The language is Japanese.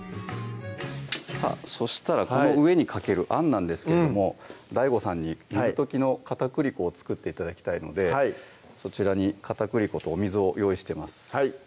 さぁそしたら上にかけるあんなんですけどもＤＡＩＧＯさんに水溶きの片栗粉を作って頂きたいのでそちらに片栗粉とお水を用意してます